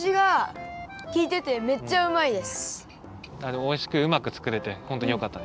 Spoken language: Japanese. おいしくうまくつくれてほんとによかったね。